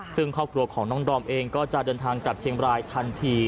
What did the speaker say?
ซึ่งครอบครัวของน้องดอมเองก็จะเดินทางกลับเชียงบรายทันที